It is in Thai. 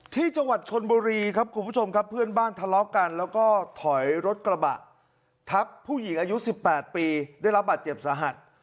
ที่จังหวัดชนบุรีครับคุณผู้ชมครับเพื่อนบ้านทะเลาะกันแล้วก็ถอยรถกระบะทับผู้หญิงอายุ๑๘ปีได้รับบาดเจ็บสาหัส